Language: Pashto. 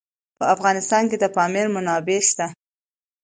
په افغانستان کې د پامیر منابع شته.